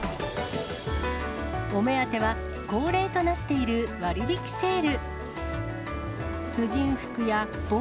お目当ては、恒例となっている割引セール。